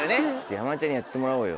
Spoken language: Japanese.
山田ちゃんにやってもらおうよ。